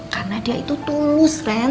karena dia itu tulus ren